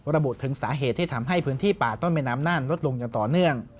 ระบุถึงสาเหตุที่ทำให้พื้นที่ป่าต้นแม่น้ำน่านลดลงอย่างต่อเนื่อง